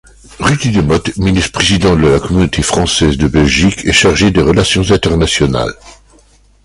Rudy Demotte, Ministre-président de la Communauté française de Belgique, est chargé des Relations internationales.